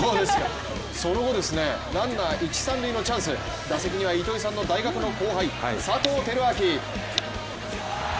その後、ランナー一・三塁のチャンス、打席には糸井さんの大学の後輩・佐藤輝明。